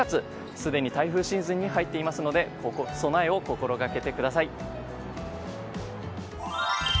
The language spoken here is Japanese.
すでに台風シーズンに入っていますので備えを心掛けてください。